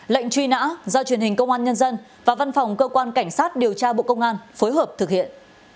lệnh truy nã do truyền hình công an nhân dân và văn phòng cơ quan cảnh sát điều tra bộ công an phối hợp thực hiện